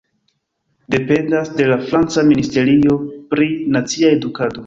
Dependas de la franca Ministerio pri Nacia Edukado.